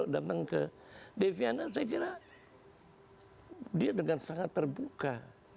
dia dengan sangat terbuka